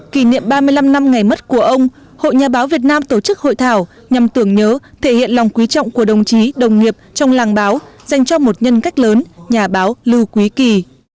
kỷ niệm ba mươi năm năm ngày mất của ông hội nhà báo việt nam tổ chức hội thảo nhằm tưởng nhớ thể hiện lòng quý trọng của đồng chí đồng nghiệp trong làng báo dành cho một nhân cách lớn nhà báo lưu quý kỳ